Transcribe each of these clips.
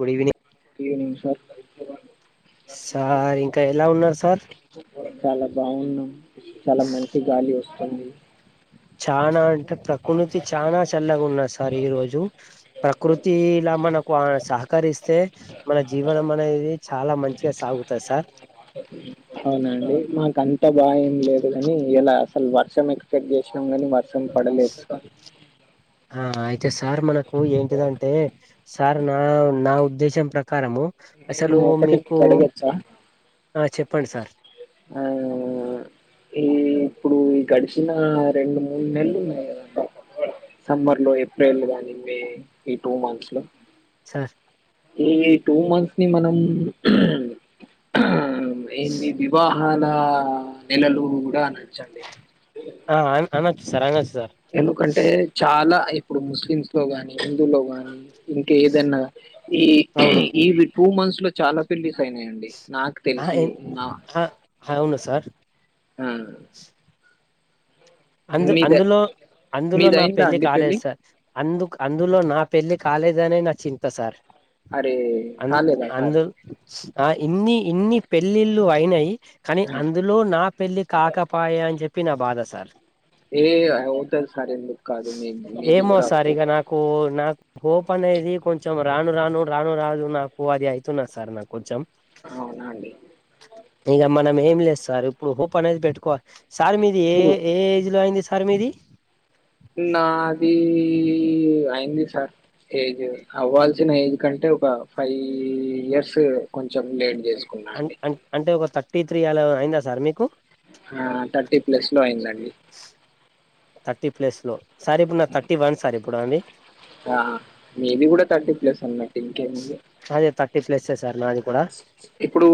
Good evening good evening sir sir ఇంకా ఎలా ఉన్నారు సార్ చాలా బాగున్నాం చాలా మంచి గాలి వస్తుంది చానా అంటే పకృతి చానా చల్లగా ఉన్నాది సార్ ఈ రోజు దు పకృతిలా మనకు ఆ సహకరిస్తే మన జీవనం అనేది చాలా మంచిగా సాగుతా సార్ అవున అండి మాకంత బాద ఏం లేదు కాని ఎలా అసలు వర్షం ఎక్స్పెక్ట్ చేసినాం కానీ వర్షం పడలేదు ఆ అయితే సార్ మనకు ఏంటిదంటే సార్ నా నా ఉద్దేశం ప్రకారము నేను అసలు ఒకటి మీకు అడగచ్చా ఆ చెప్పండి సార్ ఆ ఈ ఇప్పుడు ఈ గడిచిన రెండు మూడు నెలలు ఉన్నాయి కదంట సమ్మర్ లో ఏప్రిల్ కాని మే ఈ టూ మంత్స్ లో సార్ ఈ టూ మంత్స్ ని మనం ఎన్ని దిన నాల నెలలు గూడా ఆ అన్ అనచ్చు సార్ అనచ్ ఎందుకంటే చాలా ఇప్పుడు ముస్లిమ్స్ లో గాని హిందుూల్లో గాని ఇంకేదన్నా ఈ అవును ఇవి టూ మంత్స్ లో చాలా పెళ్లి నాయండి నాకు ఆ తెలిసి ఎన్ నా ఆ అవును సార్ ఆ అందు మీద అందులో అందులో నా మీదయిందా పెళ్లి అండి కాలేదు పెళ్ళి సార్ అందుకు అందులో నా పెళ్ళి కాలేదనే నా చింత సార్ అరే అ కాలేదా సార్ అందు ఆ ఇన్ని ఇన్ని పెళ్ళిళ్ళు అయినాయి కానీ ఆ, అందులో నా పెళ్లి కాకపాయ అని చెప్పి నా బాధ సార్ ఏ ఆహా ఉంటది సార్ ఏందూకు కాదు మీది ఏమో కూడా సార్ ఆ ఇక నాకు నాకు హోప్ అనేది కొంచెం రాను రాను రాను రాను నాకు అది అవుతున్నది. సార్ నాకు కొంచెం అవునా అండి ఇగా మనం ఏం లేదు సార్ ఇప్పుడు హోప్ అనేది పెట్టుకోవాలి సార్ మీది ఏ ఇప్పుడు ఏ ఏజ్ లో అయింది సార్ మీది ఈ అయింది సార్ ఏజ్ అవ్వాల్సిన ఏజ్ కంటే ఒక ఫైవ్ ఇయర్స్ కొంచెం లేట్ చేసుకున్నా అ అండి అ అంటే ఒక థర్టీ త్రీ అలా అయిందా సార్ మీకు ఆ థర్టీ ప్లస్ లో అయిందండి థర్టీ ప్లస్ లో సార్ ఇప్పుడు న్నకు తర్టీ వన్ సార్ ఇప్పుడు అండీ అన్న ఇంకా ఏముంది థర్టీ ప్లస్సే సార్ నాది కూడా ఇప్పుడు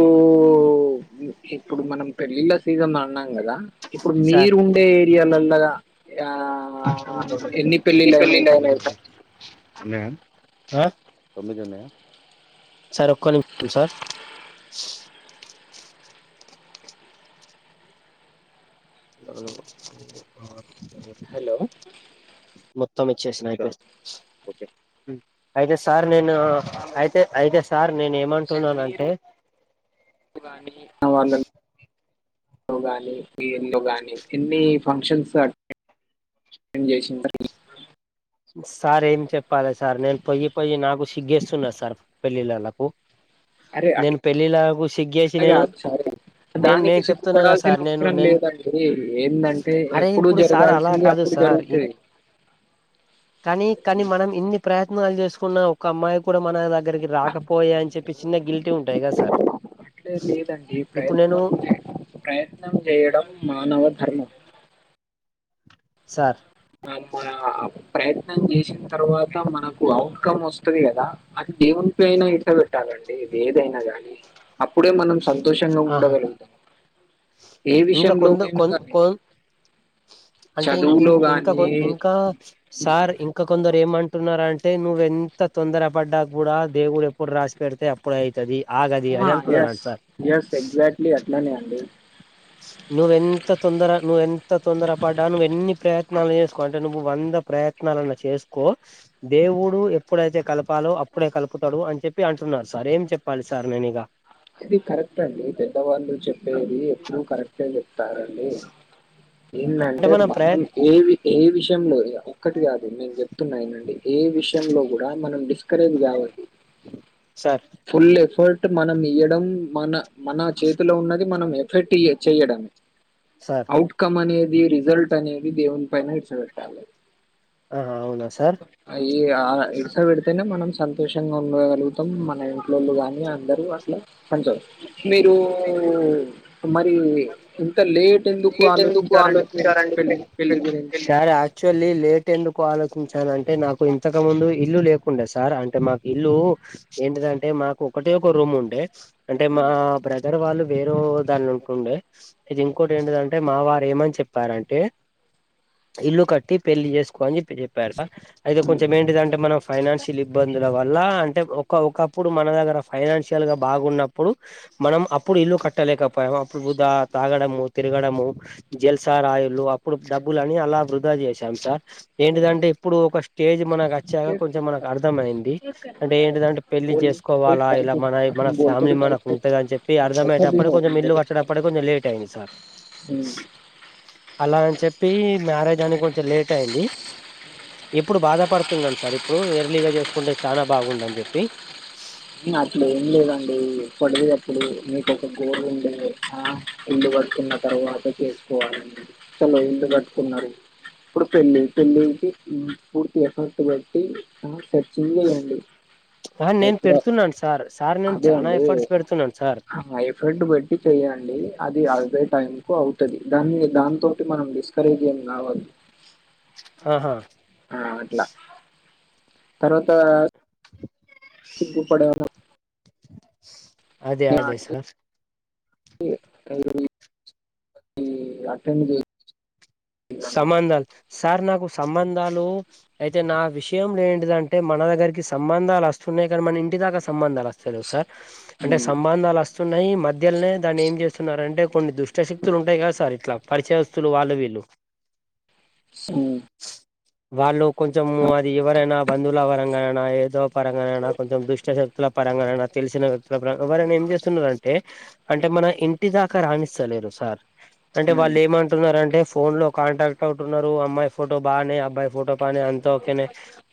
ఇప్పుడు మనం పెళ్ళిళ్ళ సీజన్ అన్నాం కదా ఇప్పుడు సార్ మీరు ఉండే ఏరియాలల్ల ఆ ఎన్ని పెళ్ళిలయినాయి సార్ అ ఆ తొమ్మిది ఉన్నాయా సార్ ఒక్క నిమిషం సార్ మ హలో మొత్తం వచ్చేసీనయి అయితే సార్ నేను అయితే అయితే సార్ నేను సార్ ఏమంటున్నాను మీరు అంటే లో గాని మీ ఇల్లు గానీ ఎన్ని ఫంక్షన్స్ గానీ అ ఏం చేసింద సార్ ఏం చెప్పాలి సార్ నేను పోయ్యి పొయ్యి నాకు సిగ్గేస్తున్నాది సార్ పెళ్ళిళ్ళలకు అరే అట్ నేను పెళ్ళిళ్ళకు సిగ్గేసి నేను కాదు సరే నేను దానికి నేను చెప్తున్నా కదా సిగ్గుపడాల్సిన సార్ నేను అవసరం నేను లేదండి అ ఏందంటే అరే ఎప్పుడు ఇప్పుడు సార్ అలా జరగాల్సింది కాదు అప్పుడు సార్ ఈ జరుగుతది కానీ కానీ మనం ఇన్ని ప్రయత్నాలు చేసుకున్నా ఒక అమ్మాయి కూడా మన దగ్గరికి రాకపోయ అని చెప్పి చిన్న గిల్టీ ఉంటాది కద సార్ అట్లే లేదండి ఇప్పుడు నేను ప్రయత్నం చే ప్రయత్నం చేయడం మానవ ధర్మం సార్ ఆ మా ప్రయత్నం చేసిన తర్వాత మనకు అవు ఇన్ కం వస్తది కదా అది దేవుని పైయినా ఇట్లా పెట్టాలండి ఇది ఏదైనా గానీ అప్పుడే మనం సంతోషంగా ఆహా ఉండగలగుతాము. ఇంకా కొంత కొన్ కొన్ అంటే ఇం చదువులో ఇంకా గానీ ఇంకా సార్ ఇంకా కొందరు ఏమంటున్నారు అంటే అంటే నువ్వెంత తొందర పడ్డాక కూడా దేవుడు ఎప్పుడు రాసి పెడితే అప్పుడు అయితాది ఆగాది ఆ అది అంటున్నారు ఎస్ అంట సార్ ఎస్ ఎగ్జాక్ట్లీ అట్లానే అండి నువ్వెంత తొందర నువ్వెంత తొందర పడ్డా నువ్వ ఎన్ని ప్రయత్నాలు చేసుకో అంటే నువ్వు వంద ప్రయత్నాలన్నా చేసుకో దేవుడు ఎప్పుడైతే కలపాలో అప్పుడే కలుపుతాడు అని చెప్పి అంటున్నారు సార్ ఏం చెప్పాలి సార్ నేను ఇగా ఆది కరెక్ట్ అండి పెద్దవాళ్ళు చెప్పేది ఎప్పుడు కరెక్ట్ అ చెప్ప చెస్తారండి అంటే ఏందాంటే మనం ప్రయత్ ఏ ఏ విషయంలో ఒకటి కాదు నేను చెప్తున్నా ఇనండి ఏ విషయంలో కూడా మనం డిస్ ఇక్కరేజ్ కాదు సార్ ఫుల్ ఎఫర్ట్ మనం ఇయ్వడం మన మన చేతిలో ఉన్నది మనం ఎఫెర్ట్ చేయడమే సార్ అఔట్కమ్ అనేది ది రిజల్ట్ అనేది దేవుని పైన ఇడిసి పెట్టాలే ఆ అవునా సార్ అయి ఆ ఇడస్పెడితేనే మనం సంతోషంగా ఉండగలుగుతాం మన ఇంట్లోళ్ళు కానీ అందరూ అట్లా అంతే మీరు మరి ఇంత లేట్ ఎందుకు ఆలోచించారండి పె పెళ్ పెళ్ళి గురించి చెల్లి లేట్ ఎందుకు ఆలో కుంచాను అంటే నాకు ఇంతకు ముందు ఇల్లు లేకుండే సార్ అంటే మాకు ఇల్లు ఏంటిదంటే మాకు ఒకటే ఒక రూమ్ ఉండే అంటే మా ఉమ్, బ్రదర్ వాళ్ళు వేరు దాని ఉండే ఇది ఇంకోటి ఏంటిదంటే మా వారు ఏమని చెప్పారంటే ఇల్లు కట్టి పెళ్లి చేసుకో అని చెప్పి చెప్పార అయితే ఉమ్, కొంచెం ఏంటిదంటే మనం ఫైనాన్షియల్ ఇబ్బందుల వల్ల అంటే ఒక్ ఒక ఒకప్పుడు మన దగ్గర ఫైనాన్షియల్ గా బాగున్నప్పుడు మనం అప్పుడు ఇల్లు కట్టలేకపోయాం వృధా తాగడము తిరగడము జెల్స రాయులు అప్పుడు డబ్బులని అలా వృధా చేసాం సార్ ఉమ్. ఏంటిదంటే ఇప్పుడు ఒక స్టేజ్ మనకు వచ్చాక కొంచెం మనకు అర్థమయింది అంటే ఏంటిదంటే పెళ్లి పెళ్ళి చేసుకోవాలా ఇలా మన మన అతను బోల్తో ఫ్యామిలి టైప్ మనకు ఉంటుదని చెప్పి పైసా అర్థమ్యేటప్పుడు భీమో కొంచెం ఇల్లు కట్ ఇక్కడ అప్పుటి కొంచెం లేట్ అయింది సార్ అలా అని చెప్పి మ్యారేజ్ అని కొంచెం లేట్ అయ్యింది ఇప్పుడు బాధపడుతున్నాను సార్ ఇప్పుడు ఎర్లీగా చేసుకుంటే చానా బాగుండ అని చెప్పి మ్ అట్లెం లేదండి ఇప్పటికీ ఇప్పుడు మీకు ఒక గోల్ ఉండే ఆ ఇల్లు కడుతున్న తర్వాత చేసుకోవాలని చలో ఇళ్ళు కట్టుకున్నారు ఇప్పుడు పెళ్ళి పెళ్ళికి పూర్తి ఎఫెర్ట్ పెట్టి ఆ సెప్ సింగల్ అండి ఆ నేను ఎప్పుడో పెడుతున్నాను సార్ సార్ నేను అదే చాలా అండి ఎఫర్ట్స్ పెడుతున్నాను సార్ ఎఫర్ట్ పెట్టి చెయండి అది అ ఇదే టైం కు అవుతది దాన్ని దాంతోటి మనం డిస్కరేజ్ ఏం కావద్దు ఆహా ఆ అట్లా తర్వాత సిగ్గుపడేలా అదే అదే సార్ [unintelligible] అటెండ్ చెయ్ సమాన్ దల్ సార్ నాకు సంబంధాలు అయితే నా విషయంలో ఏంటిదంటే మన దగ్గరికి సంబంధాలు వస్తున్నాయి కానీ మన ఇన్ ఇంటి దాకా సంబంధాలు వస్తా లేవ్ సార్ అంటే సంబంధాలు వస్తున్నాయి మధ్యలోనే దాన్ని ఏం చేస్తున్నారు అంటే కొన్ని దుష్ట శక్తులు ఉంటయి కదా సార్ ఇట్లా పరిచయస్తులు వాళ్ళు వీళ్ళు స వాళ్ళు కొంచము అది ఎవరైనా బంధువుల పరంగానైనా ఏదో పరంగానైనా కొంచెం దుష్ట శక్తుల పరంగానైనా తెలిసిన వ్యక్తుల వర ఎవరైనా ఇన్ ఎం చేస్తున్నారంటే అంటే మన ఇంటి దాకా రాణిస్తలేరు సార్ అంటే వాళ్ళు ఏమంటున్నారుంటే ఫోన్ లో కాంటాక్ట్ అవుతున్నారు అమ్మాయి ఫోటో బానే అబ్బాయి ఫోటో బానే అంత ఓకేనే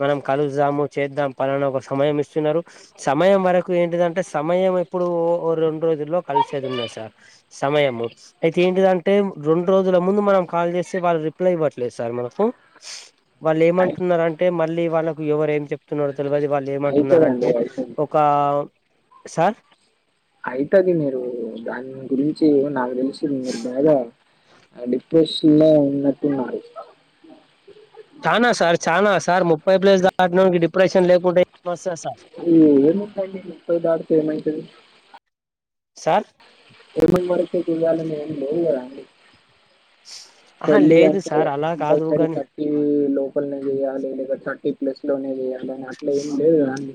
మనం కలుస్ దాము చెప్ చేద్దాం పలానా ఒక సమయం ఇస్తున్నారు. సమయం వరకు ఏంటిదంటే సమయం ఇప్పుడు ఓ ఒ రొండురోజు దరిలో కలిసేది ఉండే సార్ సమయము అయితే ఏంటిదంటే రొండు రోజుల ముందు మనం కాల్ చేస్ సి వాళ్ళు రిప్లై ఇవ్వట్లేదు సార్ మనకు వాళ్ళు ఏమంటున్నారు అంటే మళ్ళీ వాళ్ళకు ఎవరు ఏం చెప్ చెప్తున్నారో తెల్వది వాళ్ళు అవుతుందండి ఏమంటున్నారంటే అవుతుంది ఒక సార్ అయితది మీరు దాని గురిన్ చి నాకు తెలిసి మీరు బాగ డిప్రెషన్ లో ఉన్నట్టున్నారు. చానా సార్ చానా సార్ ముప్పై ప్లేస్ దాటినొడికి డిప్రెషన్ లేకుంటే ఏమోస్తాది సార్ ఈ ముప్పై నె ముప్పై దాటితే ఏమైతది సార్ ఇరవై మూడొచ్చకే ఏంచెయ్యాలని ఏం లేదు కదాండి ఆహా పళ్లి లేదు అంటే సార్ అలా కాదు కంపల్సరీ కాని థర్టీ లో లోపలనే చేయాలి లేద థర్టీ ప్లస్ లోనే చేయాలి అని అట్ల ఏం లేదు కదా అండి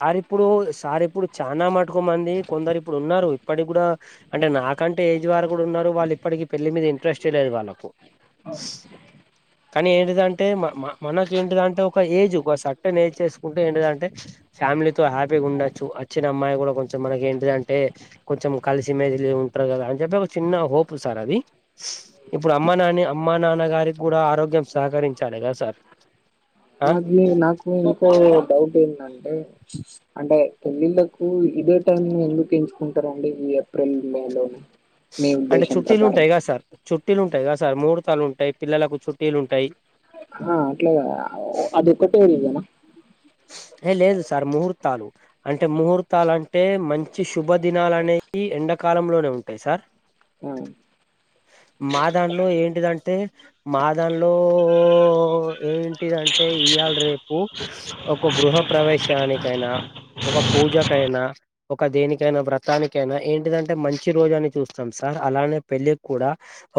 సార్ ఇప్పుడు సార్ ఇప్పుడు చానా మట్టుకు మంది కొందరిప్పుడు ఉన్నారు ఇప్పటికి కూడా అంటే నా నాకంటే ఏజ్ బారు కూడ ఉన్నారు. వాళ్ళు ఇప్పటికీ పెళ్లి మీద ఇంట్రెస్ట్ ఏ లేదు వాళ్ళకు. అవును కానీ ఏంటిదంటే మ మ మనకేంటిదంటే ఒక ఏజ్ ఒక సర్టైన్ ఏజ్ చేసుకుంటే ఏంటిదంటే ఫ్యామిలీతో హ్యాపీగా ఉండొచ్చు వచ్చిన అమ్మాయి కూడా కొంచెం మనకేంటిదంటే కొంచెం కలిసి మెసిలి ఉంటారు కదా అని చెప్పి ఒక చిన్న హోప్ సార్ అది ఇప్పుడు అమ్మ నాని అమ్మ నాన్నగారి కూడ ఆరోగ్ కొంచం సహకరించాలి కదా సార్ ఆ నాది నాకు ఇంకా వేర్ డౌట్ ఏంటంటే అంటే పెళ్లిళ్లకు ఇదే టైమ్ ను ఎందుకు ఎంచుకుంటారండి ఏప్రిల్ మే లోన అంటే చుట్టీలు ఉంటాయి కదా సార్ చుట్టీలు ఉంటాయి క సార్ మూడు తాలుంటయి పిల్లలకు చుట్టిలుంటాయి. ఆ అట్లా అదొక్కటే రీజనా ఏ లేదు సార్ ముహూర్ తాలు అంటే ముహూర్తాలు అంటే మంచి శుభ దినాలు అనేవి ఎండాకాలంలోనే ఉంటాయి సార్ ఆ మా దాంట్లో ఏంటిదన్ తే మా దానిలో ఏంటిదంటే ఇయ్యాల్ రేపు ఒక గృహ ప్రవేశానికైనా ఒక పూజకైనా, ఒక దేనికైనా వ్రతానికైనా ఏంటిదంటే మంచి రోజని చూస్తాం సార్. అలానే పెళ్ళికి కూడ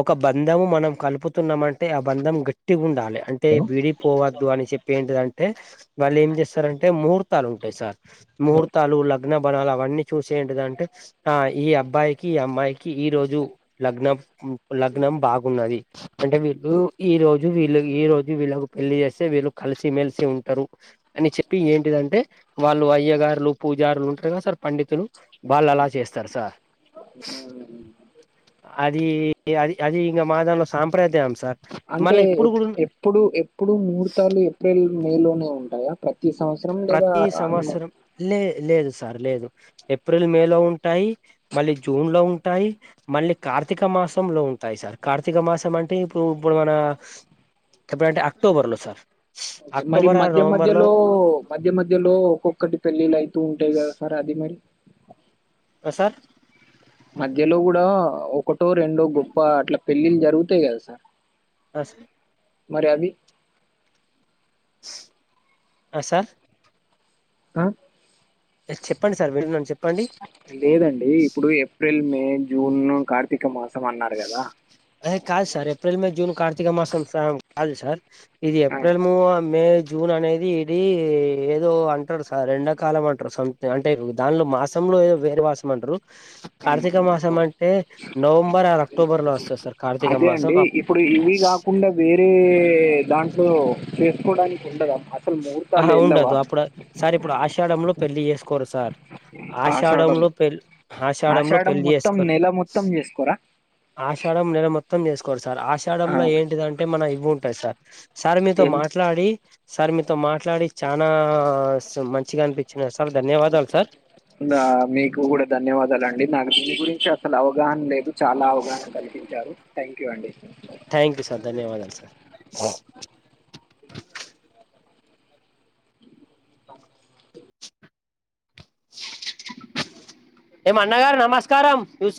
ఒక బంధం మనం కలుపుతున్నామంటే ఆ బంధం గట్టిగుండా లి అంటే విడిపోవద్దు అని చెప్పి ఏంటిదంటె, వాళ్ళు ఏం చేస్తారంటే ముహూర్తాలుంటాయి సార్. ముహూర్తాలు లగ్ గ్న బనాలు అవన్నీ చూసి ఏంటిదంటే ఆ ఈ అబ్బాయికి ఈ అమ్మాయికి ఈ రోజు లగ్నం లగ్నం బాగున్నది. అంటే వీళ్ళు ఈ రోజు వీళ్ళు, ఈ రోజు వీళ్ళకి పెళ్లి చేస్తే వీళ్ళు కలిసి మెలిసి ఉంటారు. అని చెప్పి ఏంటిదంటే వాళ్ళు అయ్యగారులు పూజారులు ఉంటారు కదా సార్ పండితులు వాళ్ అలా చేస్తారు సార్. అది ఏ అది అది ఇంకా మా దానిలో సాంప్రదాయం సార్ అంటే మళ్ళీ ఇప్పుడు కూడా ఎప్పుడు ఎప్పుడు ముహూర్తాలు ఎప్రిల్ మేలోనే ఉంటాయా ప్రత్ ప్రతీ సంవత్సరం లే లేదు సార్. లేదు. ఏప్రిల్ మే లో ఉంటాయి మళ్ళీ జూన్ లో ఉంటాయి మళ్ళీ కార్తీక మాసం లో ఉంటాయి సార్. కార్తీక మాసం అంటే ఇప్పుడు ఇప్పుడు మన ఎప్పుడంటే అక్టోబర్ లో సార్. ఓకె మరి అక్టోబర్ ఆర్ మధ్య నవంబర్ లో మధ్యలో మధ్య మధ్యలో ఒక్కొక్కటి పెళ్ళిళ్లు అవుతు ఉంటాయి కదా సార్ అది మరి సార్ మధ్యలో కూడా ఒకటో రెండో గొప్ప అట్లా పెళ్ళిళ్ళు జరుగుతాయి కదా సార్ అ సర్ మరి అవి ఆ సార్ ఆ ఆ చెప్పండి సార్ వింటున్నాను చెప్పండి లేదండి ఇప్పుడు ఏప్రిల్ మే జూన్ కార్తీక్ క మాసం అన్నారు కదా అదే కాదు sir April May June Karthika మాసం స కాదు సార్ ఇది ఆ, ఏప్రిల్ మూ మే జూన్ అనేది ఇది ఏదో అంటారు సార్ రెండో కాలం అంటారు సంథంగ్ అంటే దానిలో మాసంలోో వేరే మాసం అంటరు ఉమ్. కార్తీక మాసం అంటే నవంబ అదే అండి ఇప్పుడు ఇవి కాకుండా వేరే దాం ట్లో చేసుకోవడానికి ఉండదా అసలు ముహూర్తాలు ఆహా వెళ్ళవా ఉండదు అప్పుడు సార్ ఇప్పుడు ఆషాడంలో పెళ్లిి చేసుకోరు సార్ ఆషాఢం ఆషాడంలో పెళ్ ఆషాడంలో ఆషాఢం పెళ్లిి మొత్తం చేసుకోరు నెల మొత్తం చేసుకోరా ఆషడం నెల మొత్తం చేస్ సార్ ఆ, ఆషాడంలో ఏంటిదంటే మన ఇవుంటయి సార్ సార్ మీతో ఏం- మాట్లాడి సార్ మీతో మాట్లాడి చాన మంచిగా అనిపించిన సార్ ధన్యవాదాలు సార్ నా మీకు కూడా ధన్యవాదాలం డి నాకు దీని గురించి అసలు అవగాహన లేదు చాలా అవగాహన కల్పించారు థాంక్ థ్యాంక్ యూ సార్ ధన్యవాదాలు సార్ ఏ మన్నగారు నమస్కారం న్స్